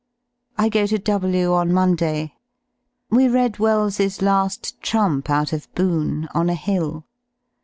I go to W on Monday. We read Wells's "La^ Trump" out of "Boon" on a hill.